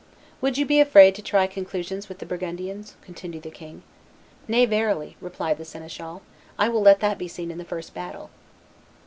"Would you be afraid to try conclusions with the Burgundians?" continued the king. "Nay, verily," replied the seneschal; "I will let that be seen in the first battle."